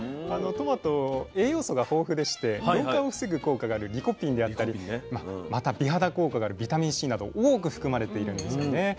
トマト栄養素が豊富でして老化を防ぐ効果があるリコピンであったりまた美肌効果があるビタミンＣなど多く含まれているんですよね。